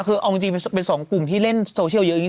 คือเอาจริงเป็นสองกลุ่มที่เล่นโซเชียลเยอะอย่างนี้